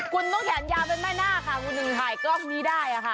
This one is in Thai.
คุณต้องแขนยาวเป็นแม่หน้าค่ะคุณถึงถ่ายกล้องนี้ได้ค่ะ